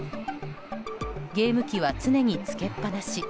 ゲーム機は常につけっぱなし。